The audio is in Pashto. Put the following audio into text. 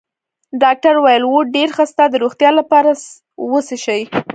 ډاکټر وویل: اوه، ډېر ښه، ستا د روغتیا لپاره، و څښئ.